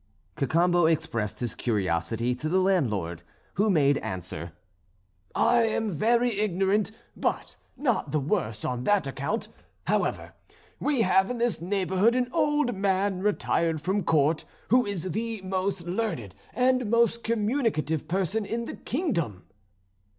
Cacambo expressed his curiosity to the landlord, who made answer: "I am very ignorant, but not the worse on that account. However, we have in this neighbourhood an old man retired from Court who is the most learned and most communicative person in the kingdom."